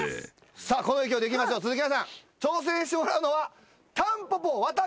さあこの勢いでいきましょう鈴木奈々さん挑戦してもらうのは。